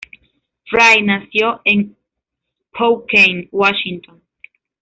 Fry nació en Spokane, Washington.